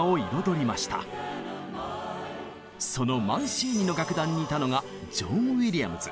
そのマンシーニの楽団にいたのがジョン・ウィリアムズ。